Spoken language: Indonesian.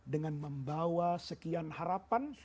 dengan membawa sekian harapan